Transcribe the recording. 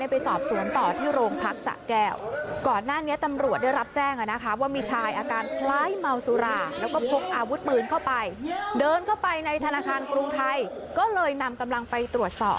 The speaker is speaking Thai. ไปสอบสวนต่อที่โรงพรรคสระแก้ว